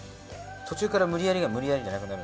途中から無理やりが無理やりじゃなくなる。